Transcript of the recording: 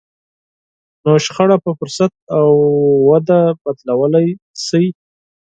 نو شخړه په فرصت او وده بدلولای شئ.